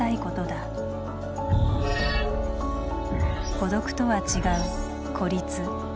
「孤独」とは違う「孤立」。